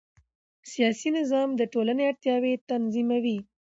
سیاسي نظام د ټولنې اړتیاوې تنظیموي